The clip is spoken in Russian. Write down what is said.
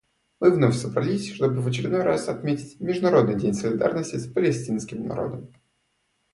Мы вновь собрались, чтобы в очередной раз отметить Международный день солидарности с палестинским народом.